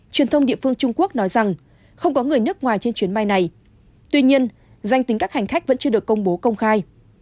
truyền thông địa phương trung quốc nói rằng không có người nước ngoài trên chuyến bay này